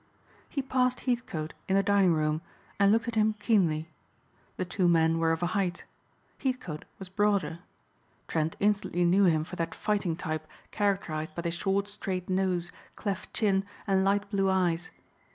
He passed Heathcote in the dining room, and looked at him keenly. The two men were of a height. Heathcote was broader. Trent instantly knew him for that fighting type characterized by the short, straight nose, cleft chin and light blue eyes.